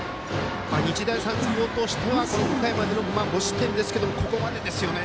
日大三高としてはこの５回までの５失点ですが、ここまでですよね。